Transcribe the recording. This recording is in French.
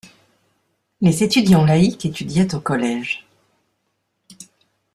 Les étudiants laïques étudiaient au collège.